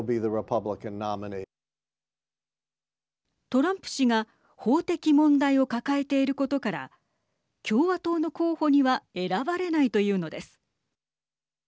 トランプ氏が法的問題を抱えていることから共和党の候補には選ばれないというのです。